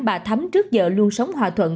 bà thắm trước giờ luôn sống hòa thuận